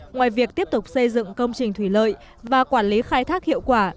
ngoài việc tiếp tục xây dựng công trình thủy lợi và quản lý khai thác hiệu quả